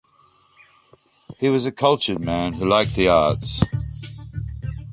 He was a cultured man who liked the arts.